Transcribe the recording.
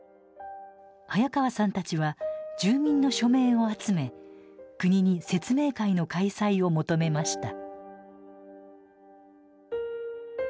早川さんたちは住民の署名を集め国に説明会の開催を求めました。